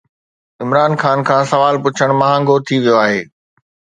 عمران خان کان سوال پڇڻ مهانگو ٿي ويو آهي